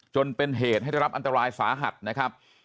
จนเป็นเหตุให้ได้รับอันตรายสาหัสนะครับ